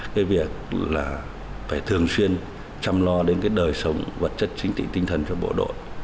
cái việc là phải thường xuyên chăm lo đến cái đời sống vật chất chính trị tinh thần cho bộ đội